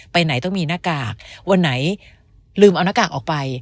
ไปไหนต้องมีหน้ากากวันไหนลืมเอาหน้ากากออกไป